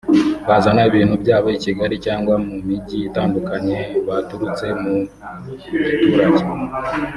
bazana ibintu byabo i Kigali cyangwa mu mijyi itandukanye baturutse mu giturage